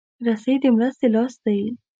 رسۍ د مرستې لاس دی.